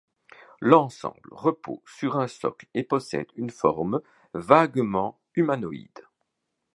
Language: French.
L'ensemble repose sur un socle et possède une forme vaguement humanoïde.